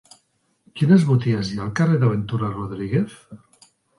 Quines botigues hi ha al carrer de Ventura Rodríguez?